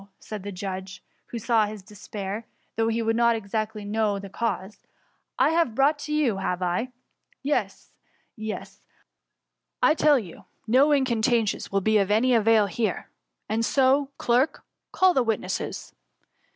^ said the jadge, who saw his de> qmir, though he did not exactly know the cause ;^* I have brought you to, have I f Yes, yes ; I tell you, no incantations will be of any arail hene ; and so, clerk, call the witnesses.